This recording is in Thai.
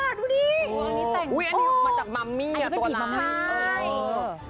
อุ้ยอันนี้มาจากมัมมี่อ่ะตัวละคร